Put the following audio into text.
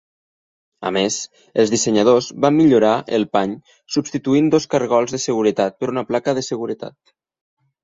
A més, els dissenyadors van millorar el pany substituint dos cargols de seguretat per una placa de seguretat.